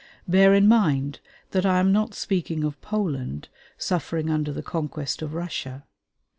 Bear in mind that I am not speaking of Poland suffering under the conquest of Russia.